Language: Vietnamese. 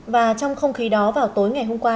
và trong không khí đó vào tối ngày hôm qua